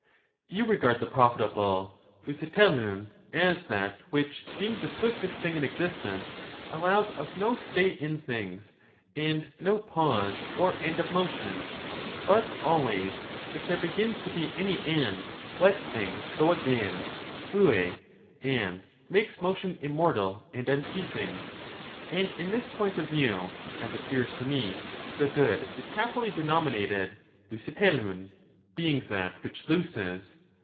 You regard the profitable {}^vai7tlovv)^ as that which being the swiftest thing in existence, allows of no stay in things and no pause or end of motion, but always, if there begins to be any end, lets things go again (Avet), and makes motion im mortal and unceasing ; and in this point of view, as appears to me, the good is happily denominated XvoiteXovv — being that which looses